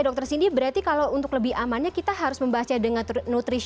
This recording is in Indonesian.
daftar otot bisnis kurang bisnis dalam tanda kutip